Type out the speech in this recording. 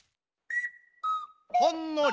ほんのり？